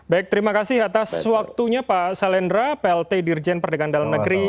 baik terima kasih atas waktunya pak salendra plt dirjen perdagangan dalam negeri